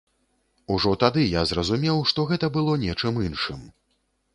Ужо тады я зразумеў, што гэта было нечым іншым.